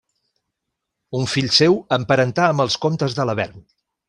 Un fill seu emparentà amb els comtes de Lavern.